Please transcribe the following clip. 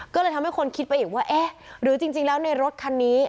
ก็เลยทำให้คนคิดไปอีกว่าเอ๊ะหรือจริงแล้วในรถคันนี้